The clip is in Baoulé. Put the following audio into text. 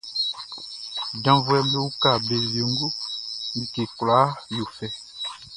Janvuɛʼm be uka be wiengu, like kwlaa yo fɛ.